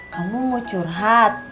kamu mau curhat